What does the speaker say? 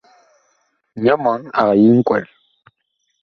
Nyɔ mɔɔn ag yi nkwɛl.